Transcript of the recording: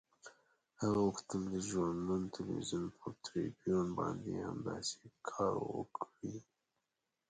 هغه غوښتل د ژوندون تلویزیون پر تریبیون باندې همداسې کار وکړي.